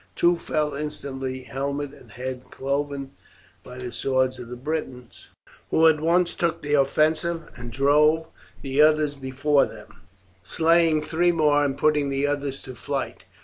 Two fell instantly, helmet and head cloven by the swords of the Britons, who at once took the offensive and drove the others before them, slaying three more and putting the others to flight.